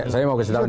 saya mau kesadaran